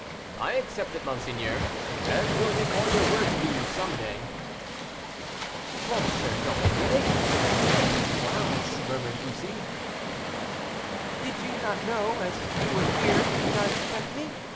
"I accept it, monseigneur, and will recall your words to you some day." "M. D'Aubigné! I am in the clouds," murmured Bussy. "Did you not know? As you are here, did you not expect me?"